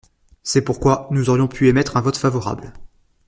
C’est pourquoi, nous aurions pu émettre un vote favorable.